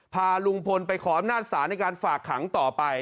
พาลุงพลไปขออำนาจศาลในการฝากขังต่อไป